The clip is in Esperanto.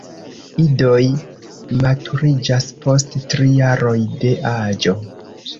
Idoj maturiĝas post tri jaroj de aĝo.